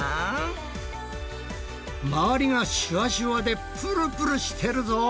周りがシュワシュワでぷるぷるしてるぞ。